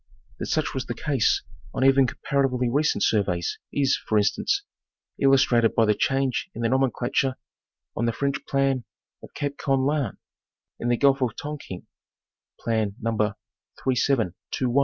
That such was the case on even comparatively recent surveys is, for instance, illustrated by the change in the nomenclature on the French plan of Cape Koan Lan, in the Gulf of Tongking (Plan No.